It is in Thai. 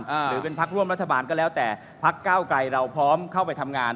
หรือเป็นพักร่วมรัฐบาลก็แล้วแต่พักเก้าไกรเราพร้อมเข้าไปทำงาน